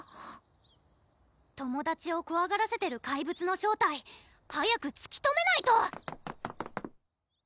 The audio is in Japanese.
友達をこわがらせてる怪物の正体早くつき止めないと！